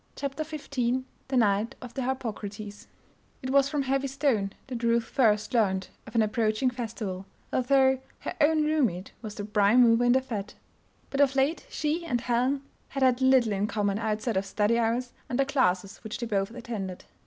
CHAPTER XV THE NIGHT OF THE HARPOCRATES It was from Heavy Stone that Ruth first learned of an approaching festival, although her own room mate was the prime mover in the fete. But of late she and Helen had had little in common outside of study hours and the classes which they both attended.